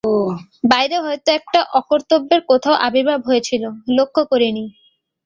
বাইরে হয়তো একটা অকর্তব্যের কোথাও আবির্ভাব হয়েছিল, লক্ষ করি নি।